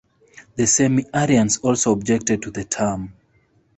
The Semi-Arians also objected to the term.